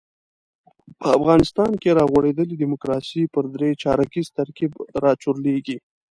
په افغانستان کې را غوړېدلې ډیموکراسي پر درې چارکیز ترکیب راچورلېږي.